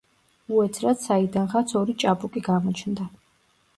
უეცრად საიდანღაც ორი ჭაბუკი გამოჩნდა.